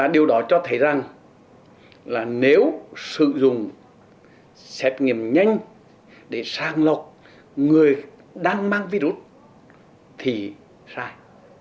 điều đó cho thấy rằng là nếu sử dụng xét nghiệm nhanh để sang lọc người đang mang virus thì sai